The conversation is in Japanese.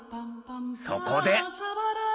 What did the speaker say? そこで。